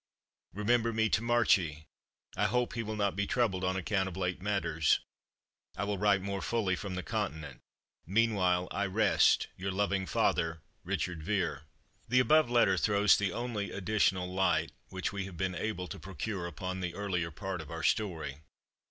Remember me to Marchie I hope he will not be troubled on account of late matters. I will write more fully from the Continent. Meanwhile, I rest your loving father, RICHARD VERE." The above letter throws the only additional light which we have been able to procure upon the earlier part of our story.